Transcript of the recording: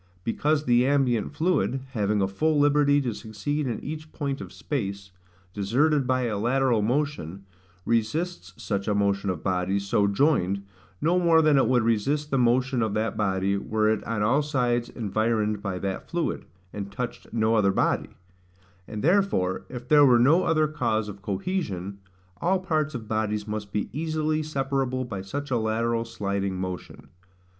Because the ambient fluid, having a full liberty to succeed in each point of space, deserted by a lateral motion, resists such a motion of bodies, so joined, no more than it would resist the motion of that body were it on all sides environed by that fluid, and touched no other body; and therefore, if there were no other cause of cohesion, all parts of bodies must be easily separable by such a lateral sliding motion.